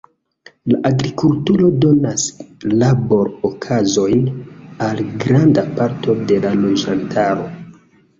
La agrikulturo donas labor-okazojn al granda parto de la loĝantaro.